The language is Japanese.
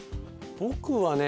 僕はね